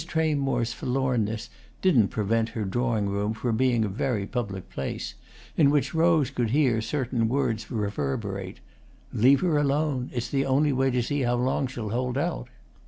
Tramore's forlornness didn't prevent her drawing room from being a very public place, in which Rose could hear certain words reverberate: "Leave her alone; it's the only way to see how long she'll hold out."